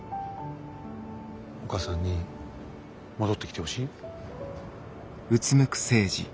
お母さんに戻ってきてほしい？